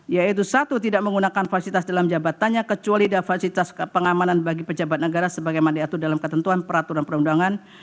yaitu satu tidak menggunakan faksitas dalam jabatannya kecuali dafasitas pengamanan bagi pejabat negara sebagai mandi atur dalam ketentuan peraturan perundangan